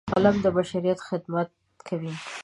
قلم د بشر خدمت کوي